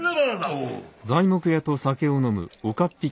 おう。